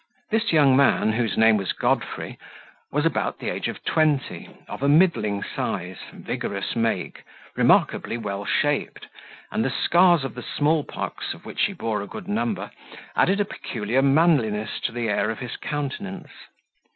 This young man, whose name was Godfrey, was about the age of twenty, of a middling size, vigorous make, remarkably well shaped, and the scars of the small pox, of which he bore a good number, added a peculiar manliness to the air of his countenance.